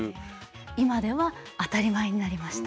今では当たり前になりました。